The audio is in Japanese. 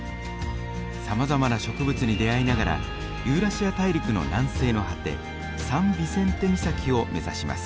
さまざまな植物に出会いながらユーラシア大陸の南西の果てサン・ビセンテ岬を目指します。